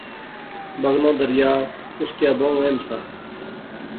بغنا دریا ، اس کیا بہوں اہم سا